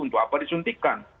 untuk apa disuntikan